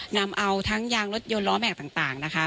นำเอาทั้งยางรถยนต์รถแม็กต่างต่างถ้านะคะ